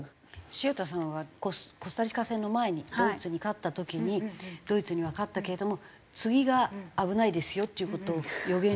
潮田さんはコスタリカ戦の前にドイツに勝った時にドイツには勝ったけれども次が危ないですよっていう事を予言していらして。